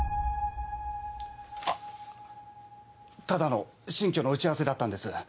ただの新居の打ち合わせだったんです。